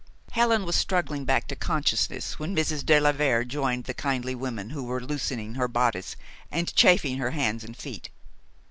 Helen was struggling back to consciousness when Mrs. de la Vere joined the kindly women who were loosening her bodice and chafing her hands and feet.